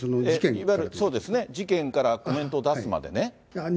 いわゆるそうですね、事件からコメントを出すまでね。